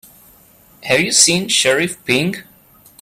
Have you seen Sheriff Pink?